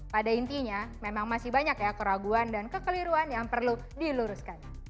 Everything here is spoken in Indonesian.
pada intinya memang masih banyak ya keraguan dan kekeliruan yang perlu diluruskan